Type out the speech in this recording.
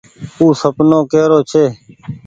او سپنو ڪي رو ڇي۔